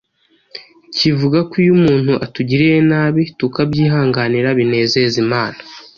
kivuga ko iyo umuntu atugiriye nabi tukabyihanganira, binezeza Imana.